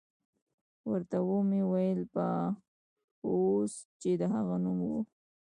ورته ومې ویل: باکوس، چې د هغه نوم وو.